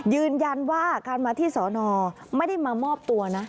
ยืนยันว่าการมาที่สอนอไม่ได้มามอบตัวนะ